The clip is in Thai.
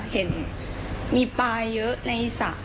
เห็นมีปลาเยอะในสระ